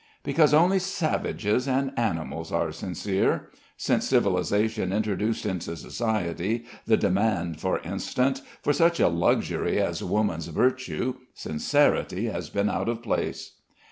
"Because only savages and animals are sincere. Since civilisation introduced into society the demand, for instance, for such a luxury as woman's virtue, sincerity has been out of place."